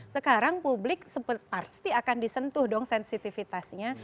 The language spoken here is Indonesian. sekarang publik pasti akan disentuh dong sensitivitasnya